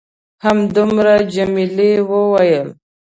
همدومره؟ جميلې وويل:.